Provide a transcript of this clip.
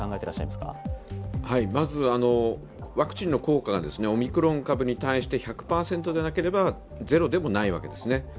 まずワクチンの効果がオミクロン株に対して１００％でなければゼロでもないわけですね。